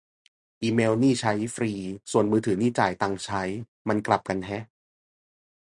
อีเมล์นี่ใช้ฟรี ส่วนมือถือ นี่จ่ายตังค์ใช้ มันกลับกันแฮะ